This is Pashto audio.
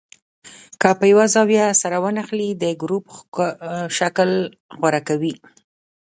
که په یوه زاویه سره ونښلي د ګروپ شکل غوره کوي.